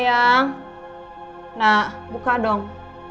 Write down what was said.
bang nah buka dong